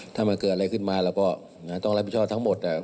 ถ้ามันเกิดอะไรขึ้นมาเราก็ต้องรับผิดชอบทั้งหมด